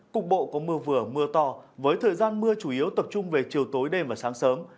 cục bộ có mưa vừa mưa to với thời gian mưa chủ yếu tập trung về chiều tối đêm và sáng sớm